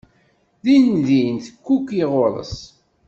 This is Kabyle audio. Din din tekkuki ɣur-s.